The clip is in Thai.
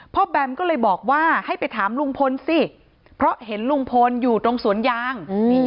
แบมก็เลยบอกว่าให้ไปถามลุงพลสิเพราะเห็นลุงพลอยู่ตรงสวนยาง